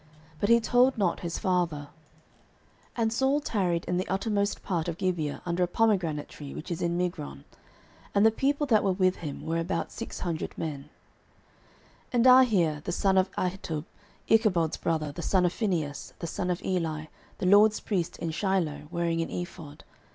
But he told not his father. 09:014:002 And Saul tarried in the uttermost part of Gibeah under a pomegranate tree which is in Migron: and the people that were with him were about six hundred men; 09:014:003 And Ahiah, the son of Ahitub, Ichabod's brother, the son of Phinehas, the son of Eli, the LORD's priest in Shiloh, wearing an ephod.